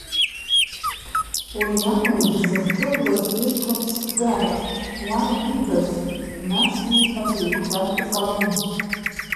Уи ауаҩ дзыхҭыгәлаз ирҭом ԥсгарҭак, уа иибаз, нас ииҳәаз еиқәшәартә иҟалом.